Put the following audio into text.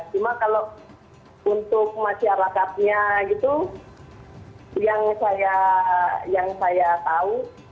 cuma kalau untuk masyarakatnya gitu yang saya tahu